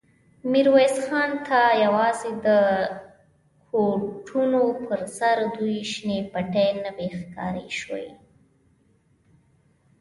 ميرويس خان ته يواځې د کوټونو پر سر دوې شنې پټې نوې ښکاره شوې.